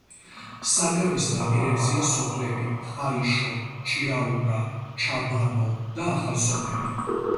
საგამის ნაპირებზეა სოფლები ხაიშო, ჭიაურა, ჩაბანო და ახალსოფელი.